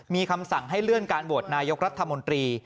มีคำสั่งให้เลื่อนการโหวตนายกรัฐมนตรี